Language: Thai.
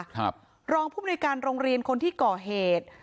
รองภูมิในการโรงเรียนคนที่ก่อเหตุ